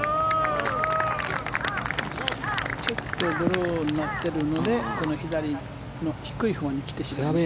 ちょっとドローになってるのでこの左の低いほうに来ましたね。